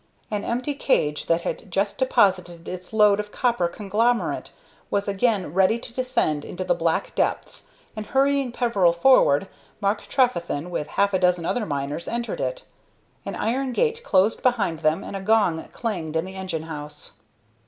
An empty cage that had just deposited its load of copper conglomerate was again ready to descend into the black depths, and, hurrying Peveril forward, Mark Trefethen, with half a dozen other miners, entered it. An iron gate closed behind them and a gong clanged in the engine house.